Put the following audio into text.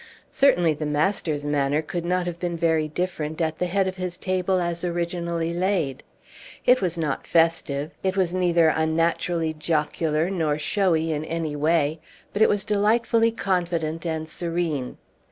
Certainly the master's manner could not have been very different at the head of his table as originally laid. It was not festive, it was neither unnaturally jocular nor showy in any way, but it was delightfully confident and serene.